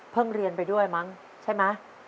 เรียนไปด้วยมั้งใช่ไหม